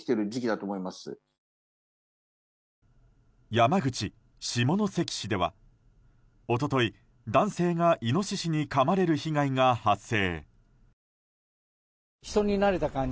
山口・下関市では一昨日、男性がイノシシにかまれる被害が発生。